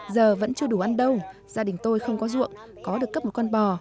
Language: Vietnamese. giờ vẫn chưa đủ ăn đâu gia đình tôi không có ruộng có được cấp một con bò